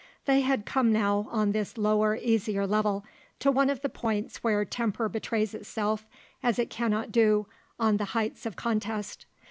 They had come now, on this lower, easier level, to one of the points where temper betrays itself as it cannot do on the heights of contest.